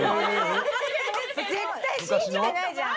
絶対信じてないじゃん。